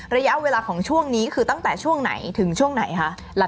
ระยะเวลาของช่วงนี้คือตั้งแต่ช่วงไหนถึงช่วงไหนคะ